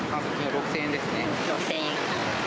６０００円。